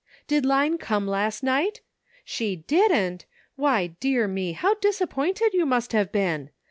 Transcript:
"Did Line come last night? She didn't! Why, dear me, how disappointed you must have been.